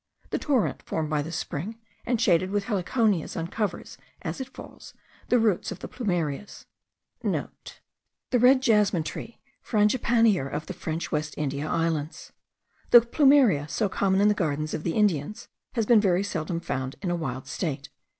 The torrent, formed by the spring, and shaded with heliconias, uncovers, as it falls, the roots of the plumerias,* (* The red jasmine tree, frangipanier of the French West India Islands. The plumeria, so common in the gardens of the Indians, has been very seldom found in a wild state.